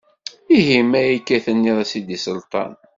Ihi ma akka i tenniḍ a sidi Selṭan.